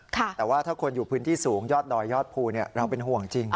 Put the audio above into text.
แต่ว่าถ้าคนอยู่พื้นที่สูงยอดดอยยอดภูเราเป็นห่วงจริง